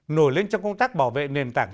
nổi lên trong công tác bảo vệ nền tảng